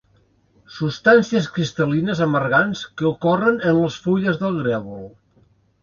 Substàncies cristal·lines amargants que ocorren en les fulles del grèvol.